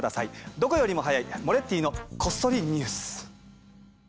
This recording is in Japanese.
どこよりも早い「モレッティのこっそりニュース」。